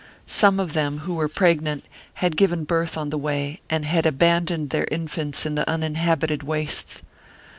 Some of them, who were pregnant, had given birth on the way, and had abandoned their infants in the un inhabited wastes.